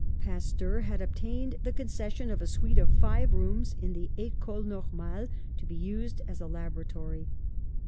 Pasteur had obtained the concession of a suite of five rooms in the Ecole Normale, to be used as a laboratory.